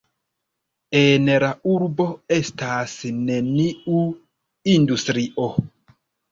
En la urbo estas neniu industrio.